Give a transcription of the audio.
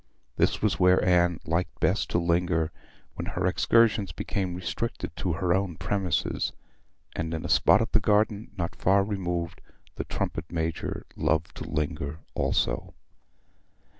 This was where Anne liked best to linger when her excursions became restricted to her own premises; and in a spot of the garden not far removed the trumpet major loved to linger also.